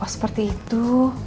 oh seperti itu